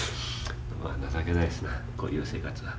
まあ情けないですなこういう生活は。